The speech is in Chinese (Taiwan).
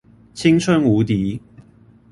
青春無敵